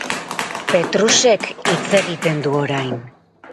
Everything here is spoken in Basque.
Petrusek hitz egiten du orain.